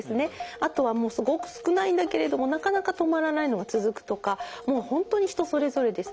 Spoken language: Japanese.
あとはもうすごく少ないんだけれどもなかなか止まらないのが続くとかもう本当に人それぞれです。